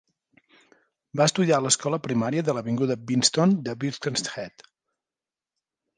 Va estudiar a l'escola primària de l'Avinguda Bidston de Birkenhead.